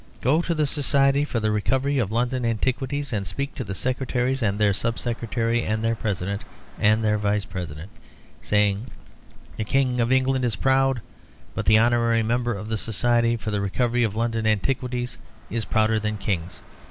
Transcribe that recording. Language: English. Go to the Society for the Recovery of London Antiquities and speak to their secretary, and their sub secretary, and their president, and their vice president, saying, 'The King of England is proud, but the honorary member of the Society for the Recovery of London Antiquities is prouder than kings.